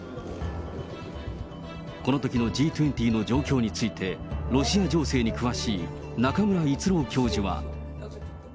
このときのＧ２０の状況について、ロシア情勢に詳しい中村逸郎教授は。